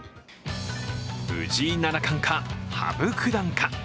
藤井七冠か、羽生九段か。